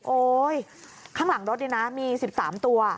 โอ๊ยข้างหลังรถนี่นะมี๑๓ตัว